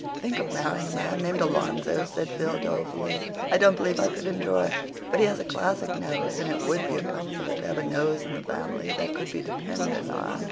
"Think of marrying a name like Alonzo!" said Phil dolefully. "I don't believe I could endure it. But he has a classic nose, and it would be a comfort to have a nose in the family that could be depended on.